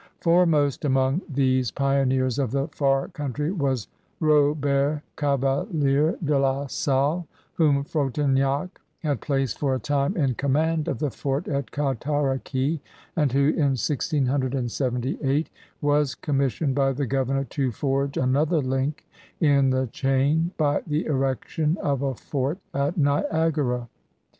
Foremost among these pioneers of the Far G)untry was Robert Cave lier de La Salle> whom Frontenae had placed for a time in command of the fort at Cataraqiii and who, in I6789 was commissioned by the governor to forge another link in the chain by the erection of a fort at Niagara.